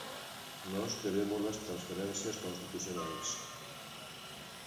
Nós queremos as transferencias constitucionais.